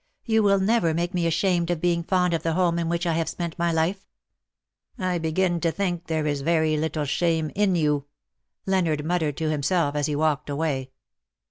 You will never make me ashamed of being fond of the home in which I have spent my life/^ '^ I begin to think there is very little shame in you," Leonard muttered to himself, as he walked away.